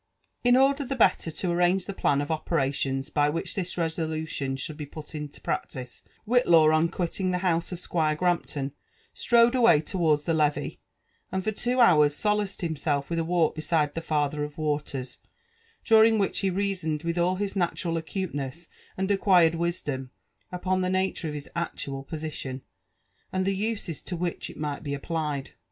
In order the better to arrange the plan of op6rtion9 by which Ibia resolution should be, put in practipo, Whitlaw on quitting the house of Squire Grampton strode away towards the Levee ; and for two hours solaced himself with a walk* beside the father of waters, during whiob he reasoned with all his natural aculeness, and acquired wisdom, upon the nature of his actual position, and the uses to which it might be ap|)iied.